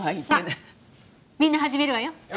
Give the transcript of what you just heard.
さあみんな始めるわよ。